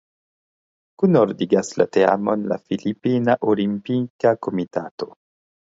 Kunordigas la teamon la Filipina Olimpika Komitato.